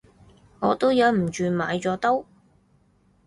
我都忍唔住買咗兜